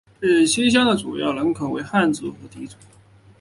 日溪乡的主要人口为汉族和畲族。